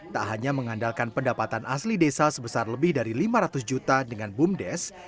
tak hanya mengandalkan pendapatan asli desa sebesar lebih dari lima ratus juta dengan bumdes